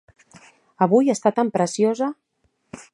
Avui està tan preciosa.